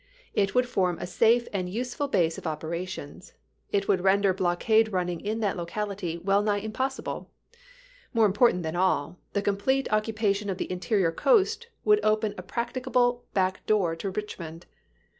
It would form a safe and useful base of operations ; it would render blockade running in that locality well nigh impos sible ; more important than all, the complete occu pation of the interior coast would open a practicable back door to Richmond.